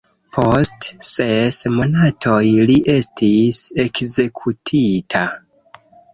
Post ses monatoj li estis ekzekutita.